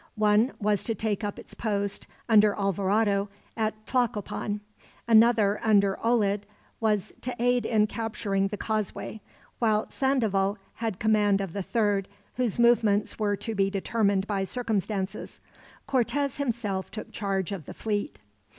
One was to take up its post, under Alvarado, at Tlacopan. Another, under Olid, was to aid in capturing the causeway; while Sandoval had command of the third, whose movements were to be determined by circumstances. Cortez himself took charge of the fleet.